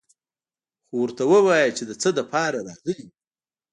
خو ورته ووايه چې د څه له پاره راغلي يو.